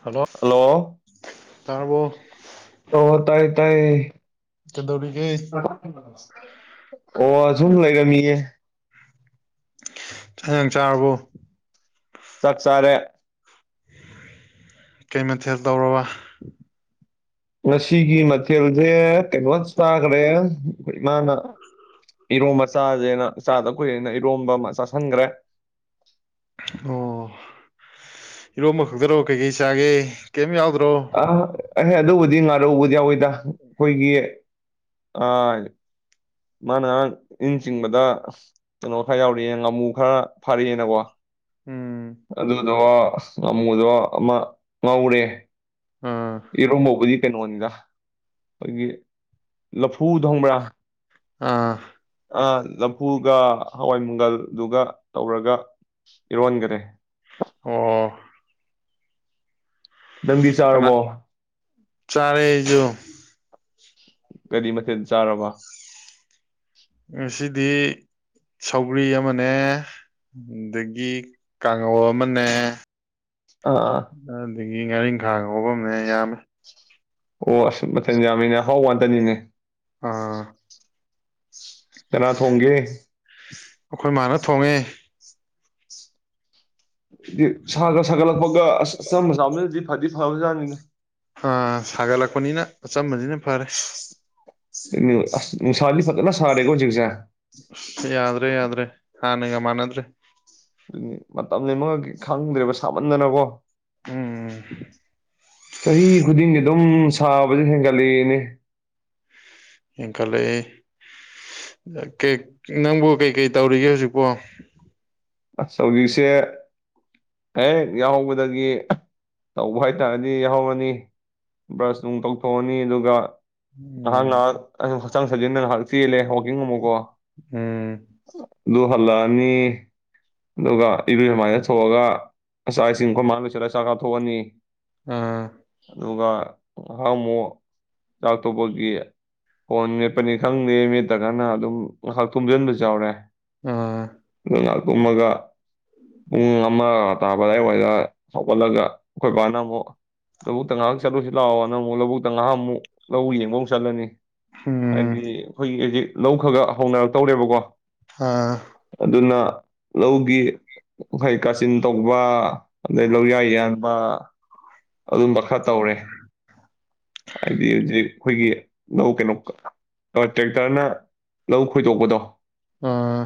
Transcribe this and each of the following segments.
Hello hello ꯇꯥꯔꯕꯣ ꯑꯣ ꯇꯥꯌꯦ ꯇꯥꯌꯦ ꯀꯩꯗꯧꯔꯤꯒꯦ [inaudible] ꯑꯣ ꯑꯁꯨꯝ ꯂꯩꯔꯝꯃꯤꯌꯦ ꯆꯥꯛ ꯟꯖꯡ ꯆꯥꯔꯕꯣ ꯆꯛꯆꯥꯔꯦ ꯀꯩ ꯃꯊꯦꯜ ꯇꯧꯔꯕ ꯉꯁꯤꯒꯤ ꯃꯊꯦꯜꯁꯦ ꯀꯩꯅꯣ ꯆꯥꯒꯥꯔꯦ ꯑꯩꯈꯣꯏ ꯏꯃꯅ ꯏꯔꯣꯝ ꯆꯥꯖꯦꯅ ꯆꯥꯗ ꯀꯨꯏꯔꯦꯅ ꯏꯔꯣꯝꯕ ꯑꯃ ꯆꯥꯥꯁꯟꯒ꯭ꯔꯦ ꯑꯣ ꯏꯔꯣꯝꯕ ꯈꯛꯇꯔꯣ ꯀꯩꯀꯩ ꯆꯥꯒꯦ ꯀꯩꯌꯦꯝ ꯌꯥꯎꯗ ꯑ ꯑꯗꯨꯕꯨꯗꯤ ꯉꯥꯔꯧꯕꯨꯗꯤ ꯌꯥꯎꯋꯤꯗ ꯑꯩꯈꯣꯏꯒꯤ ꯑ ꯃꯥꯅ ꯏꯟ ꯆꯤꯡꯕꯗ ꯀꯩꯅꯣ ꯈꯔ ꯌꯥꯎꯔꯛꯑꯦ ꯉꯥꯃꯨ ꯈꯔ ꯐꯥꯔꯛꯑꯦꯅꯀꯣ ꯎꯝ ꯑꯗꯨ ꯑꯁ ꯉꯃꯨꯗ ꯑꯃ ꯉꯧꯔꯦ ꯑꯥ ꯏꯔꯣꯝꯕꯥꯕꯨꯗꯤ ꯀꯩꯅꯣꯅꯤꯗ ꯑꯩꯈꯣꯏꯒꯤ ꯂꯐꯨꯗꯣ ꯈꯪꯕ꯭ꯔꯥ ꯑꯥ ꯑ ꯂꯐꯨꯒ ꯍꯋꯥꯏ ꯃꯪꯒꯜꯗꯨꯒ ꯇꯧꯔꯒ ꯏꯔꯣꯟꯒꯥꯔꯦ ꯑꯣ ꯅꯪꯗꯤ ꯀꯅꯥ ꯆꯥꯔꯕꯣ ꯆꯔꯦ ꯑꯩꯖꯨ ꯀꯔꯤ ꯃꯊꯦꯜ ꯆꯥꯔꯕ ꯉꯁꯤ ꯗꯤ ꯁꯧꯒ꯭ꯔꯤ ꯑꯃꯅꯦ ꯑꯗꯒꯤ ꯀꯥꯡꯉꯧ ꯑꯃꯅꯦ ꯑꯥ ꯑꯗꯒꯤ ꯉꯥꯔꯤꯡꯈꯥ ꯉꯧꯕ ꯑꯃꯅꯦ ꯌꯥꯝꯃꯦ ꯑꯣ ꯑꯁ ꯃꯊꯦꯟ ꯌꯥꯝꯃꯤꯅꯦ ꯑꯍꯥꯎꯕ ꯉꯥꯛꯇꯅꯤꯅꯦ ꯑꯥ ꯀꯅꯥ ꯊꯣꯡꯒꯦ ꯊꯣꯡꯏ ꯁꯥꯒ ꯁꯥꯒꯠꯂꯛꯄꯒ ꯑꯁ ꯑꯆꯝꯕ ꯆꯥꯕꯅꯗꯤ ꯐꯗꯤ ꯐꯕꯖꯥꯠꯅꯤꯅꯦ ꯑ ꯁꯥꯒꯠꯂꯛ ꯄꯅꯤꯅ ꯑꯆꯝꯕꯁꯤꯅ ꯐꯔꯦ ꯁꯤꯅꯤꯕ ꯑꯦ ꯅꯨꯡꯁꯥ ꯗꯤ ꯐꯖꯅ ꯁꯥꯔꯦꯀꯣ ꯍꯧꯖꯤꯛꯁꯦ ꯌꯥꯗ꯭ꯔꯦ ꯌꯥꯗ꯭ꯔꯦ ꯌꯥꯗ꯭ꯔꯦ ꯍꯟꯅꯒ ꯃꯥꯟꯅꯗ꯭ꯔꯦ ꯑꯗꯨꯅꯦ ꯃꯇꯝ ꯂꯦꯟꯐꯝꯒ ꯈꯪꯗ꯭ꯔꯦ ꯁꯥꯃꯟꯗꯅꯀꯣ ꯎꯝ ꯆꯍꯤ ꯈꯨꯗꯤꯡꯒꯤ ꯑꯗꯨꯝ ꯁꯥꯕꯁꯦ ꯍꯦꯟꯒꯠꯂꯛꯏꯅꯦ ꯍꯦꯟꯈꯠꯂꯛꯏ ꯅꯪꯕꯨ ꯀꯩꯀꯩ ꯇꯧꯔꯤꯒꯦ ꯍꯧꯖꯤꯛꯄꯣ ꯑꯁ ꯍꯧꯖꯤꯛꯁꯦ ꯍꯦꯛ ꯌꯥꯍꯧꯕꯗꯒꯤ ꯇꯧꯕ ꯍꯥꯏ ꯇꯥꯔꯗꯤ ꯌꯥꯍꯧꯔꯅꯤ ꯕ꯭ꯔꯁ ꯅꯨꯡ ꯇꯧꯊꯣꯛꯑꯅꯤ ꯑꯗꯨꯒ ꯉꯥꯏꯍꯥꯛ ꯎꯝ ꯉꯥꯏꯍꯥꯛ ꯍꯛꯆꯥꯡ ꯁꯥꯖꯦꯟꯗꯅ ꯉꯥꯏꯍꯥꯛ ꯆꯦꯜꯂꯦ ꯌꯦꯉꯝ ꯃꯨꯀꯣ ꯎꯝ ꯑꯗꯨ ꯍꯜꯂꯛꯑꯅꯤ ꯑꯗꯨꯒ ꯏꯔꯨꯖ ꯃꯥꯏꯊ ꯊꯣꯛꯑꯒ ꯆꯥꯛ ꯏꯁꯤꯡ ꯑꯩꯈꯣꯏ ꯃꯥ ꯂꯣꯏꯁꯜꯂ ꯆꯥꯛ ꯆꯥꯊꯣꯛꯑꯅꯤ ꯑꯥ ꯑꯗꯨꯒ ꯉꯥꯏꯍꯥꯛ ꯑꯃꯨꯛ ꯆꯥꯛ ꯊꯣꯛꯄꯒꯤ ꯐꯣꯟ ꯃꯦꯠꯄꯅꯤ ꯈꯪꯗꯦ ꯃꯦꯠꯇ꯭ꯔꯀꯅ ꯑꯗꯨꯝ ꯉꯥꯏꯍꯥꯛ ꯇꯨꯝꯁꯤꯟꯕꯁꯨ ꯌꯥꯎꯔꯦ ꯑꯥ [unintelligible] ꯇꯨꯝꯃꯒ ꯄꯨꯡ ꯑꯃ ꯇꯥꯕ ꯑꯗꯥꯏꯋꯥꯏꯗ ꯍꯧꯒꯠꯂꯒ ꯑꯩꯈꯣꯏ ꯕꯥꯅ ꯑꯃꯨꯛ ꯂꯧꯕꯨꯛꯇ ꯉꯥꯏꯍꯛ ꯆꯠꯂꯨꯁꯤ ꯂꯥꯛꯑꯣꯅ ꯑꯃꯨꯛ ꯂꯧꯕꯨꯛꯇ ꯉꯥꯏꯍꯥꯛ ꯑꯃꯨꯛ ꯂꯧ ꯌꯦꯡꯕ ꯑꯃꯨꯛ ꯆꯠꯂꯅꯤ ꯎꯝ ꯍꯥꯏꯗꯤ ꯑꯩꯈꯣꯏꯒꯤ ꯍꯧꯖꯤꯛ ꯂꯧ ꯈꯔꯒ ꯍꯧꯅꯔꯛꯇꯧꯔꯦꯕꯀꯣ ꯑꯥ ꯑꯗꯨꯅ ꯂꯧꯒꯤ ꯍꯥꯏ ꯀꯥꯆꯤꯟ ꯇꯧꯕ ꯑꯗꯩ ꯂꯧꯔꯤꯌꯥ ꯌꯥꯟꯕ ꯑꯗꯨꯝꯕ ꯈꯔ ꯇꯧꯔꯦ ꯍꯥꯏꯗꯤ ꯍꯧꯖꯤꯛ ꯑꯩꯈꯣꯏꯒꯤ ꯂꯧ ꯀꯩꯅꯣ ꯇ꯭ꯔꯦꯛꯇꯔꯅ ꯂꯧ ꯈꯣꯏꯗꯣꯛꯄꯗꯣ ꯑꯥ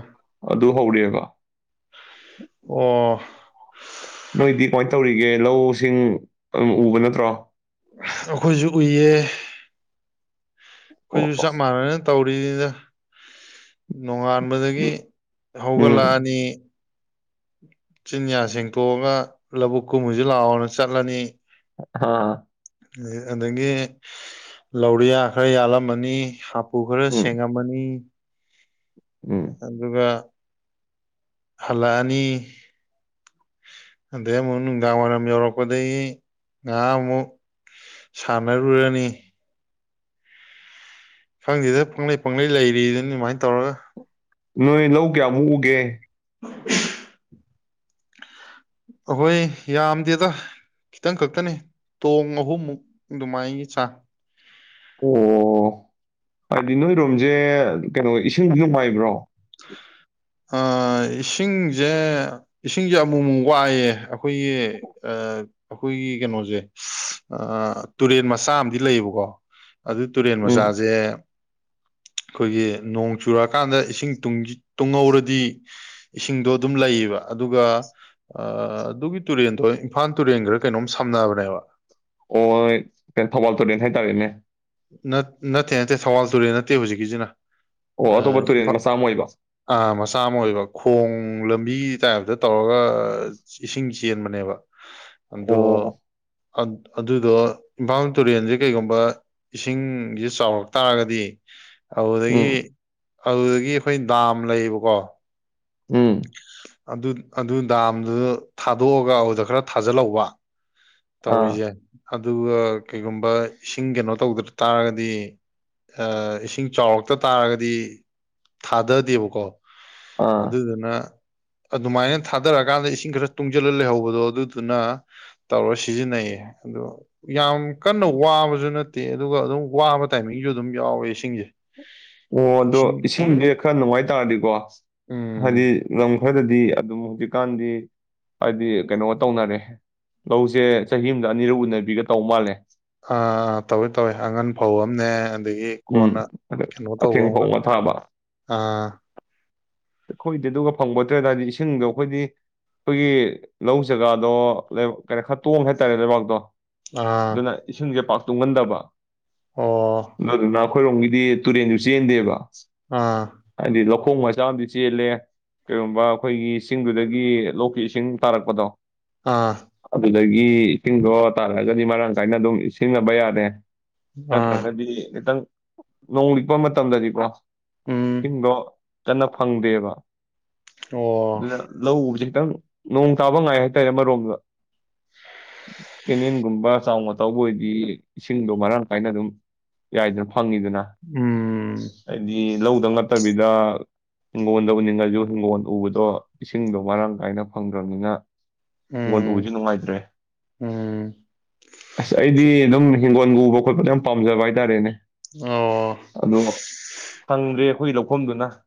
ꯑꯗꯨ ꯍꯧꯔꯦꯕ ꯑꯣ ꯅꯣꯏꯗꯤ ꯀꯃꯥꯏꯅ ꯇꯧꯔꯤꯒꯦ ꯂꯧꯁꯤꯡ ꯑꯗꯨ ꯎꯕ ꯅꯠꯇ꯭ꯔꯣ ꯑꯩꯈꯣꯏꯁꯨ ꯎꯏꯌꯦ ꯑꯣ ꯑꯩꯈꯣꯏꯁꯨ ꯑꯣ ꯆꯞ ꯃꯥꯟꯅꯅ ꯇꯧ ꯀꯨꯏꯔꯦꯗ ꯅꯣꯡꯉꯥꯟꯕꯗꯒꯤ ꯎꯝ ꯍꯧꯒꯠꯂꯛꯑꯅꯤ ꯆꯤꯟꯌꯥ ꯁꯦꯡꯇꯣꯛꯑꯒ ꯂꯧꯕꯨꯛ ꯀꯨꯝꯃꯨꯁꯤ ꯂꯥꯛꯑ‌ꯣꯅ ꯆꯠꯂꯅꯤ ꯍꯥ ꯑꯗꯒꯤ ꯂꯧꯔꯤꯌꯥ ꯈꯔ ꯌꯥꯜꯂꯝꯃꯅꯤ ꯍꯥꯞ ꯄꯨ ꯈꯔ ꯎꯝ ꯁꯦꯡꯉꯝꯃꯅꯤ ꯎꯝ ꯑꯗꯨꯒ ꯍꯜꯂꯛꯑꯅꯤ ꯑꯗꯩ ꯑꯃꯨꯛ ꯅꯨꯡꯗꯥꯡꯋꯥꯏꯔꯝ ꯌꯧꯔꯛꯄꯗꯒꯤ ꯉꯥꯏꯍꯥꯛ ꯑꯃꯨꯛ ꯁꯥꯟꯅꯔꯨꯔꯅꯤ ꯈꯪꯗꯦꯗ ꯄꯪꯂꯩ ꯄꯪꯂꯩ ꯂꯩꯔꯤꯗꯨꯅꯤ ꯑꯗꯨꯃꯥꯏꯅ ꯇꯧꯔꯒ ꯅꯣꯏ ꯂꯧ ꯀꯌꯥꯃꯨꯛ ꯎꯒꯦ [inaudible] ꯑꯩꯈꯣꯏ ꯌꯥꯝꯗꯦꯗ ꯈꯤꯇꯪ ꯈꯛꯇꯅꯤ ꯇꯣꯡ ꯑꯍꯨꯝꯃꯨꯛ ꯑꯗꯨꯃꯥꯏꯒꯤ ꯆꯥꯡ ꯑꯣ ꯍꯥꯏꯗꯤ ꯅꯣꯏꯔꯣꯝꯁꯦ ꯀꯩꯅꯣ ꯏꯁꯤꯡꯁꯨ ꯅꯨꯡꯉꯥꯏꯕ꯭ꯔꯣ ꯏꯁꯤꯡꯁꯦ ꯏꯁꯤꯡꯁꯦ ꯑꯃꯨꯛ ꯑꯃꯨꯛ ꯋꯥꯏꯑꯦ ꯑꯩꯈꯣꯏꯒꯤ ꯑꯩꯈꯣꯏꯒꯤ ꯀꯩꯅꯣꯁꯦ ꯇꯨꯔꯦꯟ ꯃꯆꯥ ꯑꯃꯗꯤ ꯂꯩꯌꯦꯕꯀꯣ ꯑꯗꯨ ꯇꯨꯔꯦꯟ ꯎꯝ ꯃꯆꯥꯁꯦ ꯑꯩꯈꯣꯏꯒꯤ ꯅꯣꯡ ꯆꯨꯔꯛꯑꯀꯥꯟꯗ ꯏꯁꯤꯡ ꯨꯡ ꯇꯨꯡꯍꯧꯔꯗꯤ ꯏꯁꯤꯡꯗꯣ ꯑꯗꯨꯝ ꯂꯩꯌꯦꯕ ꯑꯗꯨꯒ ꯑ ꯑꯗꯨꯒꯤ ꯇꯨꯔꯦꯜꯗꯣ ꯏꯝꯐꯥꯜ ꯇꯨꯔꯦꯟ ꯈꯔ ꯀꯩꯅꯣꯝ ꯁꯝꯅꯕꯅꯦꯕ ꯑꯣ ꯀ ꯊꯧꯕꯥꯜ ꯇꯨꯔꯦꯟ ꯍꯥꯏꯇꯥꯔꯦꯅꯦ ꯅꯠꯇꯦ ꯅꯠꯇꯦ ꯊꯧꯕꯥꯜ ꯇꯨꯔꯦꯜ ꯅꯠꯇꯦ ꯍꯧꯖꯤꯛꯀꯤꯁꯤꯅ ꯏꯐ ꯑ ꯃꯆꯥ ꯑꯃ ꯑꯣꯏꯕ ꯈꯣꯡ ꯂꯝꯕꯤ ꯇꯥꯏꯕꯗ ꯇꯧꯔꯒ ꯏꯁꯤꯡꯁꯤ ꯆꯦꯟꯕꯅꯦꯕ ꯑꯗꯣ ꯑꯗꯨꯗꯣ ꯏꯝꯐꯥꯜ ꯇꯨꯔꯦꯟꯁꯦ ꯀꯩꯒꯨꯝꯕ ꯏꯁꯤꯡꯁꯦ ꯆꯥꯎꯔꯛ ꯇꯥꯔꯒꯗꯤ ꯑꯗꯨꯗꯒꯤ ꯑꯗꯨꯗꯒꯤ ꯑꯩꯈꯣꯏ ꯗꯥꯝ ꯂꯩꯌꯦꯕꯀꯣ ꯎꯝ ꯑꯗꯨ ꯑꯗꯨ ꯗꯥꯝꯗꯨꯗ ꯊꯥꯗꯣꯛꯑꯒ ꯑꯗꯨꯗ ꯈꯔ ꯊꯥꯖꯤꯜꯍꯧꯕ ꯇꯧꯔꯤꯁꯦ ꯑꯗꯨꯒ ꯀꯩꯒꯨꯝꯕ ꯏꯁꯤꯡ ꯀꯩꯅꯣ ꯇꯧꯗ ꯇꯥꯔꯒꯗꯤ ꯏꯁꯤꯡ ꯆꯥꯎꯔꯛꯇ ꯇꯥꯔꯒꯗꯤ ꯊꯥꯗꯗꯦꯕꯀꯣ ꯑꯗꯨꯗꯅ ꯑꯗꯨꯃꯥꯏꯅ ꯊꯥꯗꯔꯛꯀꯥꯟꯗ ꯏꯁꯤꯡ ꯈꯔ ꯇꯨꯡꯁꯤꯜꯂ ꯂꯩꯍꯧꯕꯗꯣ ꯑꯗꯨꯗꯨꯅ ꯇꯧꯔ ꯁꯤꯖꯤꯟꯅꯩꯌꯦ ꯑꯗꯣ ꯌꯥꯝ ꯀꯟꯅ ꯋꯥꯕꯁꯨ ꯅꯠꯇꯦ ꯑꯗꯨꯒ ꯑꯗꯨꯝ ꯋꯥꯕ ꯇꯥꯏꯃꯤꯡꯁꯨ ꯑꯗꯨꯝ ꯌꯥꯎꯋꯦ ꯏꯁꯤꯡꯁꯦ ꯑꯣ ꯑꯗꯣ ꯏꯁꯤꯡ ꯏꯁꯤꯡꯁꯦ ꯈꯔ ꯅꯨꯡꯉꯥꯏ ꯇꯥꯔꯗꯤꯀꯣ ꯍꯥꯏꯗꯤ ꯎꯝ ꯂꯝ ꯈꯔꯗꯗꯤ ꯑꯗꯨꯝ ꯍꯧꯖꯤꯛꯀꯥꯟꯗꯤ ꯍꯥꯏꯗꯤ ꯀꯩꯅꯣꯒ ꯇꯧꯅꯔꯦ ꯂꯧꯁꯦ ꯆꯍꯤ ꯑꯃꯗ ꯑꯅꯤꯔꯛ ꯎꯅꯕꯤꯒ ꯇꯧ ꯃꯥꯜꯂꯦ ꯑꯥ ꯑ ꯇꯧꯋꯦ ꯇꯧꯋ ꯑꯉꯟ ꯐꯧ ꯑꯅꯦ ꯑꯗꯒꯤ ꯎꯝ, ꯀꯣꯟꯅ ꯑꯗ ꯀꯩꯅꯣ ꯇꯧꯕ ꯑꯊꯦꯡ ꯑꯃꯒ ꯐꯧ ꯊꯥꯕ. ꯑ ꯑꯩꯈꯣꯏꯗꯤ ꯑꯗꯨꯒ ꯐꯪꯕꯣꯠꯇ꯭ꯔꯦꯗ ꯍꯥꯏꯗꯤ ꯏꯁꯤꯡꯗꯣ ꯑꯩꯈꯣꯏꯗꯤ ꯑꯩꯈꯣꯏꯒꯤ ꯂꯧ ꯖꯒꯥꯗꯣ ꯀꯩꯅꯣ ꯈꯔ ꯇꯣꯡꯉꯦ ꯍꯥꯏꯇꯥꯔꯦ ꯂꯩꯕꯥꯛꯇꯣ ꯑꯥ ꯑꯗꯨꯅ ꯏꯁꯤꯡꯁꯦ ꯄꯥꯛ ꯇꯨꯡꯒꯟꯗꯕ ꯑꯣ ꯑꯗꯨꯗꯨꯅ ꯑꯩꯈꯣꯏꯔꯣꯝꯒꯤꯗꯤ ꯇꯨꯔꯦꯟꯁꯨ ꯆꯦꯟꯗꯦꯕ ꯑꯥ ꯍꯥꯏꯗꯤ ꯂꯧꯈꯣꯡ ꯃꯆꯥꯝꯗꯤ ꯆꯦꯜꯂꯦ ꯀꯩꯒꯨꯝꯕ ꯑꯩꯈꯣꯏꯒꯤ ꯏꯁꯤꯡꯗꯨꯗꯒꯤ ꯂꯣꯛꯀꯤ ꯏꯁꯤꯡ ꯇꯥꯔꯛꯄꯗꯣ ꯑꯥ ꯑꯗꯒꯤ ꯏꯇꯤꯡꯗꯣ ꯇꯥꯔꯛꯑꯒꯗꯤ ꯃꯔꯥꯡ ꯀꯥꯏꯅ ꯑꯗꯨꯝ ꯁꯤꯖꯤꯟꯅꯕ ꯌꯥꯔꯦ ꯑꯥ ꯅꯠꯇ꯭ꯔꯒꯗꯤ ꯈꯤꯇꯪ ꯅꯣꯡ ꯂꯤꯛꯄ ꯃꯇꯝꯗꯗꯤꯀꯣ ꯎꯝ ꯏꯁꯤꯡꯗꯣ ꯀꯟꯅ ꯐꯪꯗꯦꯕ ꯑꯣ ꯂꯧ ꯎꯕ ꯈꯤꯇꯪ ꯅꯣꯡ ꯇꯥꯕ ꯉꯥꯏ ꯍꯥꯏꯇꯥꯔꯦ ꯑꯃꯔꯣꯝꯗ ꯀꯦꯅꯦꯟꯒꯨꯝꯕ ꯆꯥꯎꯅ ꯇꯧꯕ ꯑꯣꯏꯗꯤ ꯏꯁꯤꯡꯗꯣ ꯃꯔꯥꯡ ꯀꯥꯏꯅ ꯑꯗꯨꯝ ꯌꯥꯏꯗ ꯐꯪꯉꯤꯗꯅ ꯎꯝ ꯍꯥꯏꯗꯤ ꯂꯧꯗꯪ ꯅꯠꯇꯕꯤꯗ ꯍꯤꯡꯒꯣꯜꯗ ꯎꯅꯤꯡꯉꯁꯨ ꯍꯤꯡꯒꯣꯜ ꯎꯕꯗꯣ ꯏꯁꯤꯡꯗꯣ ꯃꯔꯥꯡ ꯀꯥꯏꯅ ꯐꯪꯗ꯭ꯔꯕꯅꯤꯅ ꯎꯕꯁꯨ ꯎꯝ ꯅꯨꯡꯉꯥꯏꯇ꯭ꯔꯦ ꯎꯝ ꯑꯁ ꯑꯩꯗꯤ ꯑꯗꯨꯝ ꯍꯤꯡꯒꯣꯜ ꯎꯕ ꯈꯣꯠꯄꯗꯣ ꯌꯥꯝ ꯄꯥꯝꯖꯕ ꯍꯥꯏꯗꯤ ꯇꯔꯦꯅꯦ ꯑꯣ ꯐꯪꯗ꯭ꯔꯦ ꯑꯩꯈꯣꯏꯒꯤ ꯂꯧꯐꯝꯗꯨꯅ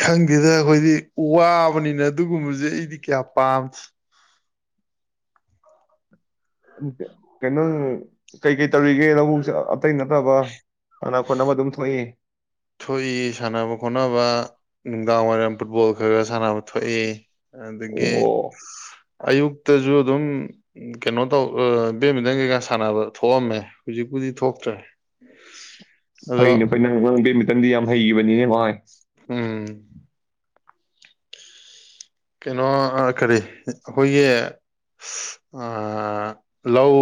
ꯈꯪꯗꯦꯗ ꯑꯩꯈꯣꯏꯗꯤ ꯋꯥꯕꯅꯤꯅ ꯑꯗꯨꯒꯨꯝꯕꯁꯦ ꯑꯩꯗꯤ ꯀꯌꯥ ꯄꯥꯝꯗꯦ ꯀꯩꯅꯣ ꯀꯩꯀꯩ ꯇꯧꯔꯤꯒꯦ ꯅꯕꯨ ꯑꯇꯩ ꯅꯠꯇꯕ ꯁꯥꯟꯅ ꯈꯣꯠꯅꯕ ꯑꯗꯨꯝ ꯊꯣꯛꯏ ꯊꯣꯛꯏ ꯁꯥꯟꯅꯕ ꯈꯣꯠꯅꯕ ꯅꯨꯡꯗꯥꯡ ꯋꯥꯏꯔꯝ ꯐꯨꯠꯕꯣꯜ ꯈꯔ ꯈꯔ ꯁꯥꯟꯅꯕ ꯊꯣꯛꯏ ꯑꯗꯒꯤ ꯑꯣ ꯑꯌꯨꯛꯇꯁꯨ ꯑꯗꯨꯝ ꯀꯩꯅꯣ ꯇꯧ ꯕꯦꯠꯃꯤꯟꯇꯟ ꯀꯩꯀꯥ ꯁꯥꯟꯅꯕ ꯊꯣꯛꯑꯝꯃꯦ ꯍꯧꯖꯤꯛꯄꯨꯗꯤ ꯊꯣꯛꯇ꯭ꯔꯦ ꯐꯩꯅ ꯐ ꯑꯗꯣ ꯅꯪ ꯅꯪꯗꯤ ꯌꯥꯝ ꯍꯩꯈꯤꯕꯅꯤꯅꯦ ꯚꯥꯏ ꯎꯝ ꯀꯩꯅꯣ ꯀꯔꯤ ꯑꯩꯈꯣꯏꯒꯤ ꯂꯧ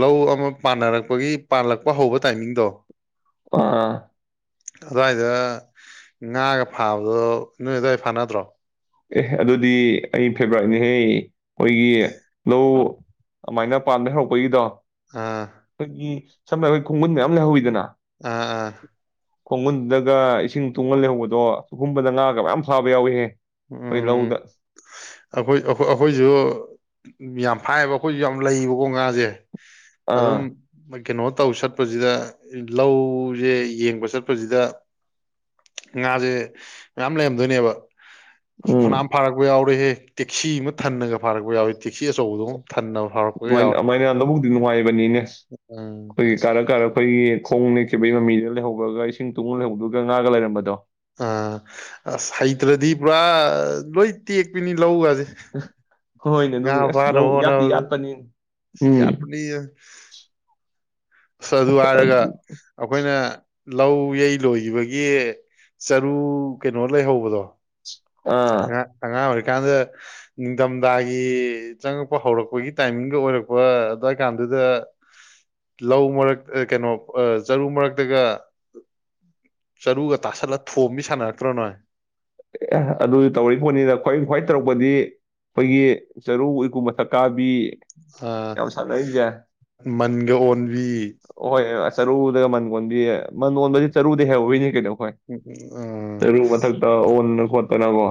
ꯂꯧ ꯑꯃ ꯄꯥꯟꯅꯔꯛꯄꯒꯤ ꯄꯥꯟꯜꯂꯛꯄ ꯍꯧꯕ ꯇꯥꯏꯃꯤꯡꯗꯣ ꯑꯥ ꯑꯗꯨꯋꯥꯏꯗ ꯉꯥꯒ ꯐꯥꯕꯗꯣ ꯅꯣꯏ ꯑꯗꯨꯋꯥꯏ ꯐꯥꯅꯗ꯭ꯔꯣ ꯑꯦ ꯑꯗꯨꯗꯤ ꯑꯩ ꯐꯦꯕꯔꯥꯏꯠꯅꯤꯍꯦ ꯑꯩꯈꯣꯏꯒꯤ ꯂꯧ ꯑꯃꯥꯏꯅ ꯄꯥꯟ ꯂꯩꯍꯧꯕꯒꯤꯗꯣ ꯑꯥ ꯐꯒꯤ ꯁꯝꯅ ꯑꯩ ꯈꯨꯡꯃꯨꯟ ꯃꯌꯥꯝ ꯂꯩꯍꯧꯤꯗꯅ ꯑ ꯑ ꯈꯣꯡꯒꯨꯟꯗꯒ ꯏꯁꯤꯡ ꯇꯨꯡꯍꯜ ꯂꯩꯍꯧꯕꯗꯣ ꯆꯒꯨꯝꯕꯗ ꯉꯥꯒ ꯃꯌꯥꯝ ꯐꯥꯕ ꯌꯥꯎꯏꯍꯦ ꯎꯝ ꯑꯩꯈꯣꯏ ꯑꯩꯈꯣꯏꯁꯨ ꯌꯥꯝ ꯍꯥꯏꯕ ꯑꯩꯈꯣꯏꯁꯨ ꯌꯥꯝ ꯂꯩꯕꯀꯣ ꯉꯥꯁꯦ ꯑꯥ ꯑꯗꯨꯝ ꯀꯩꯅꯣ ꯇꯧ ꯆꯠꯄꯁꯤꯗ ꯂꯧꯁꯦ ꯌꯦꯡꯕ ꯆꯠꯄꯁꯤꯗ ꯉꯥꯁꯦ ꯃꯌꯥꯝ ꯂꯩꯔꯝꯗꯣꯏꯅꯦꯕ ꯎꯝ ꯐꯅꯥꯝ ꯐꯥꯔꯛ ꯌꯥꯎ ꯑꯩꯈꯣꯢꯗꯤ ꯇꯦꯛꯁꯤ ꯑꯃ ꯊꯟꯅꯒ ꯐꯥꯔꯛꯄ ꯌꯥꯎꯋꯦ ꯇꯦꯛꯁꯤ ꯑꯆꯧꯕꯗꯣ ꯐꯟꯅ ꯐꯥꯎꯔꯛꯄ ꯌꯥꯎꯋꯦ ꯑꯗꯨꯃꯥꯏꯅ [inaudible] ꯎꯝ ꯑꯩꯈꯣꯏꯒꯤ ꯀꯥꯔ ꯀꯥꯔ ꯑꯩꯈꯣꯏꯒꯤ ꯈꯣꯡ ꯁꯤꯕꯩ ꯃꯃꯤꯗ ꯂꯩꯍꯧꯧꯕꯒ ꯏꯁꯤꯡ ꯇꯨꯡꯨ ꯂꯩꯍꯧꯗꯒ ꯉꯥꯒ ꯂꯩꯔꯝꯕꯗꯣ ꯑꯥ ꯑꯁ ꯍꯩꯇ꯭ꯔꯗꯤ ꯄꯨꯔꯥ ꯂꯣꯏ ꯇꯦꯛꯄꯤꯅꯤ ꯂꯧꯒꯁꯤ ꯍꯣꯏꯅꯦ ꯑꯗꯨꯒꯤ ꯑꯁ ꯂꯧ ꯌꯥꯇꯤ ꯍꯣꯠꯅꯕꯗ ꯌꯥꯠꯄꯅꯤ ꯎꯝ ꯌꯥꯠꯄꯅꯤ ꯑ ꯑꯗꯨ ꯍꯥꯏꯔꯒ ꯑꯩꯈꯣꯏꯅ ꯂꯧ ꯌꯩ ꯂꯣꯏꯈꯤꯕꯒꯤ ꯆꯔꯨ ꯀꯩꯅꯣ ꯂꯩꯍꯧꯕꯗꯣ ꯑꯥ ꯑ ꯑꯉꯥꯡ ꯑꯣꯏ ꯀꯀꯥꯟꯗ ꯅꯤꯡꯊꯝꯊꯥꯒꯤ ꯆꯪꯉꯛꯄ ꯍꯧꯔꯛꯄꯒꯤ ꯇꯥꯏꯃꯤꯡꯒ ꯑꯣꯏꯔꯛꯄ ꯑꯗꯨꯋꯥꯏ ꯀꯥꯟꯗꯨꯗ ꯂꯧ ꯃꯔ ꯀꯩꯅꯣ ꯆꯔꯨ ꯃꯔꯛꯇꯒ ꯆꯔꯨꯒ ꯇꯥꯁꯜꯂ ꯊꯣꯝꯕꯤ ꯁꯥꯟꯅꯔꯛꯇ꯭ꯔꯣ ꯅꯣꯏ ꯑꯗꯨ ꯇꯧ ꯄꯣꯠꯅꯤꯅ ꯈ꯭ꯋꯥꯏ ꯈ꯭ꯋꯥꯏ ꯇꯧꯔꯛꯄꯗꯤ ꯑꯩꯈꯣꯏꯒꯤ ꯆꯔꯨ ꯏꯀꯨ ꯃꯊꯛꯀꯥ ꯑꯥ ꯃꯟꯒ ꯑꯣꯟꯕꯤ ꯍꯣꯏ ꯆꯔꯨꯗꯒ ꯃꯟ ꯀꯣꯟꯕꯤꯌꯦ ꯃꯟ ꯀꯣꯟꯕꯁꯤ ꯆꯔꯨꯗ ꯍꯩꯍꯧꯔꯤꯅꯤ ꯀꯩꯅꯣ ꯎꯝ ꯎꯝ ꯎꯝ ꯑꯣꯟꯅ ꯈꯣꯠꯇꯅꯀꯣ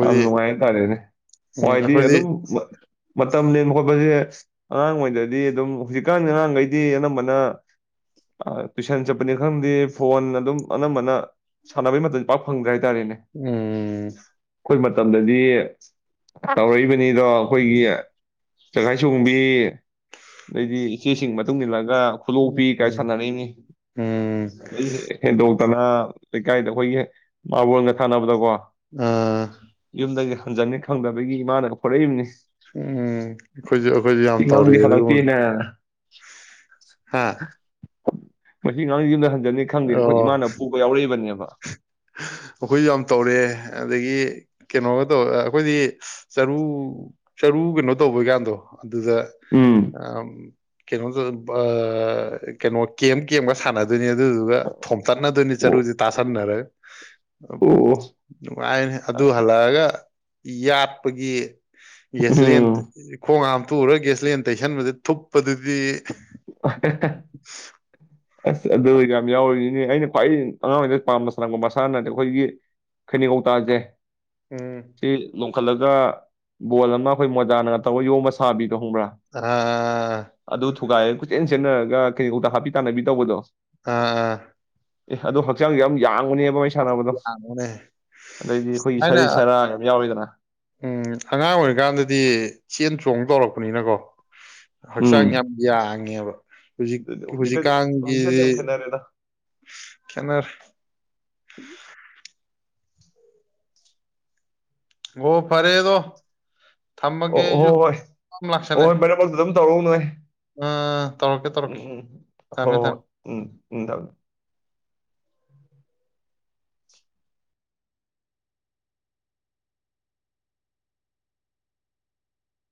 ꯌꯥꯝ ꯅꯨꯡꯉꯥꯏ ꯍꯥꯏꯇꯥꯔꯦꯅꯦ ꯎꯝ ꯍꯤꯢꯗꯤ ꯑꯩꯈꯣꯏꯗꯤ ꯑꯗꯨꯝ ꯃꯇꯝ ꯂꯦꯟꯕ ꯈꯣꯠꯄꯁꯦ ꯑꯉꯥꯡ ꯑꯣꯏꯩꯗꯩꯗꯤ ꯑꯗꯨꯝ ꯍꯧꯖꯤꯛꯀꯥꯟ ꯑꯉꯥꯡꯈꯩꯗꯤ ꯑꯅꯝꯕꯅ ꯇꯨꯏꯁꯟ ꯆꯠꯄꯅꯤ ꯈꯪꯗꯦ ꯐꯣꯟ ꯑꯗꯨꯝ ꯑꯅꯝꯕꯅ ꯁꯥꯟꯅꯕꯩ ꯃꯇꯝ ꯄꯤꯛ ꯐꯪꯗ꯭ꯔꯦ ꯇꯥꯔꯦꯅꯦ ꯎꯝ ꯑꯩꯈꯣꯏ ꯃꯇꯝꯗꯗꯤ ꯇꯧꯔꯛꯏꯕꯅꯤ ꯑꯅꯤꯗꯣ ꯑꯩꯈꯣꯏꯒꯤ ꯆꯖꯒꯥꯏ ꯁꯣꯝꯕꯤ ꯑꯗꯩꯗꯤ ꯏꯆꯦꯁꯤꯡꯒꯤ ꯃꯇꯨꯡ ꯏꯟꯅ ꯂ ꯈꯨꯂꯣꯛꯄꯤ ꯀꯥꯏ ꯎꯝ ꯁꯥꯟꯅꯔꯛꯅꯤ ꯎꯝ ꯍꯦꯟꯗꯣꯛ ꯇꯅꯥ ꯂꯩꯩ ꯀꯥꯏꯗ ꯍꯣꯏꯒꯤ ꯃꯥꯕꯣꯟꯒ ꯁꯥꯟꯅꯕꯗꯀꯣ ꯑꯥ ꯌꯨꯝꯗꯒ ꯐꯟꯖꯟꯅꯤ ꯈꯪꯗꯕꯒꯤ ꯏꯃꯥꯅ ꯍꯣꯔꯛꯏꯕꯅꯤ ꯎꯝ ꯑꯩꯈꯣꯏꯁꯨ ꯑꯩꯈꯣꯏꯁꯨ ꯌꯥꯝ ꯁꯤ ꯑꯉꯥꯡꯗꯤ ꯇꯧꯔꯛꯑꯦ ꯑꯗꯨꯒꯨꯝꯕ ꯍꯜꯂꯛꯇꯦꯅ ꯍꯥ ꯃꯁꯤ ꯑꯅꯥꯪꯁꯤ ꯌꯨꯝꯗ ꯈꯪꯗꯦ ꯑꯩꯈ ꯑꯣ ꯏꯥꯅ ꯐꯕ ꯌꯥꯎꯔꯛꯏꯕꯅꯦ [inaudible] ꯑꯩꯈꯣꯏ ꯌꯥꯝ ꯇꯧꯔꯑꯦ ꯑꯗꯒꯤ ꯀꯩꯅꯣꯕꯗꯣ ꯑꯩꯈꯣꯏꯗꯤ ꯆꯔꯨ ꯆꯔꯨ ꯀꯩꯅꯣ ꯇꯧꯕꯩꯀꯥꯟꯗꯣ ꯑꯗꯨꯗ ꯎꯝ ꯑ ꯀꯩꯅꯣ ꯀꯩꯅꯣ ꯀꯦꯝ ꯀꯦꯝꯒ ꯁꯥꯟꯅꯗꯣꯏꯅꯦ ꯑꯗꯨꯗꯨꯒ ꯊꯣꯝꯇꯠꯅꯗꯣꯏꯅꯤ ꯆꯔꯨ ꯑꯣ ꯔꯛ ꯑꯣ ꯅꯨꯪꯉꯥꯏꯍꯦ ꯑꯗꯨ ꯑꯁ ꯍꯜꯂꯛꯑꯒ ꯌꯥꯠꯄꯒꯤ ꯌꯦꯁꯂꯤ ꯎꯝ ꯈꯣꯉ ꯊꯨꯔꯒ ꯒ꯭ꯌꯥꯁꯂꯦꯟ ꯇꯩꯁꯟꯕꯗ ꯊꯨꯞꯄꯗꯨꯗꯤ ꯑꯍꯤ ꯑꯁ ꯑꯗꯨ ꯌꯥꯝ ꯌꯥꯎꯔꯤꯁꯤꯅꯦ ꯑꯩꯅ ꯈ꯭ꯋꯥꯏ ꯑꯉꯥꯡ ꯑꯣꯏꯉꯩ ꯄꯥꯝꯕ ꯁꯥꯟꯅꯄ ꯃꯁꯥꯅꯠꯇꯦ ꯑꯩꯈꯣꯏꯒꯤ ꯈꯩꯅꯒꯧꯇꯥꯁꯦ ꯎꯝ ꯄꯨꯈꯠꯂꯒ ꯕꯣꯜ ꯑꯃ ꯑꯩꯈꯣꯏ ꯃꯣꯖꯥꯅ ꯇꯧꯔꯒ ꯌꯣꯝꯕ ꯁꯥꯕꯤ ꯑꯥ ꯊꯨꯒꯥꯏꯔꯒ ꯈꯨꯠꯆꯦꯟ ꯁꯦꯟꯅꯔꯒ ꯀꯩꯒꯧꯇ ꯍꯥꯞꯄꯤ ꯇꯥꯟꯅꯕꯤ ꯇꯧꯕꯗꯣ ꯑꯥ ꯑꯥ ꯑꯦ ꯑꯗꯨ ꯍꯛꯆꯥꯡꯁꯦ ꯌꯥꯝ ꯌꯥꯡꯕꯅꯦꯕ ꯑꯩ ꯌꯥꯝꯅꯅꯦ ꯑꯩꯈꯣꯏꯒꯤ ꯁꯃꯥꯏꯅ ꯁꯔꯤꯠ ꯁꯔꯥ ꯌꯥꯝ ꯌꯥꯎꯋꯤꯗꯅ ꯎꯝ ꯑꯉꯥꯡ ꯑꯣꯏꯔꯤꯀꯥꯟꯗꯗꯤ ꯆꯦꯟ ꯆꯣꯡ ꯇꯧꯔꯛꯄꯅꯤꯅꯀꯣ ꯎꯝ ꯍꯛꯆꯥꯡ ꯌꯥꯝ ꯌꯥꯥꯡꯉꯦꯕ ꯍꯧꯖꯤꯛ ꯑꯗꯨꯗꯤ ꯍꯧꯖꯤꯛꯀꯗꯤ ꯍꯧꯖꯤꯛꯀꯗꯤ ꯌꯥꯝ ꯍꯧꯖꯤꯛꯀꯥꯟꯒꯤꯗꯤ ꯈꯦꯠꯅꯔꯦꯗ ꯈꯦꯅꯔꯦ ꯎꯝ ꯑꯣ ꯐꯔꯦꯗꯣ ꯑꯣ ꯑꯣ ꯍꯣꯏ ꯑꯣ ꯍꯣꯏ ꯃꯅꯦ ꯄ ꯇꯧꯔꯣ ꯅꯣꯏꯦ ꯑꯥ ꯇꯧꯔꯛꯀꯦ ꯇꯧꯔꯛꯀꯦ ꯎꯝ ꯍ ꯊꯝꯃꯦ ꯊꯝꯃꯦ ꯎꯝ ꯎꯗꯥ